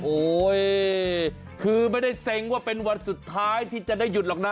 โอ้โหคือไม่ได้เซ็งว่าเป็นวันสุดท้ายที่จะได้หยุดหรอกนะ